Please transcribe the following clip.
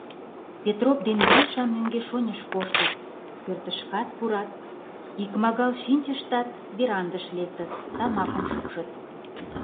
Петроп ден Гриша мӧҥгеш-оньыш коштыт: пӧртышкат пурат, икмагал шинчыштат, верандыш лектыт, тамакым шупшыт.